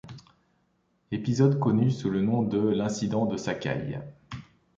Épisode connu sous le nom de l'incident de Sakai.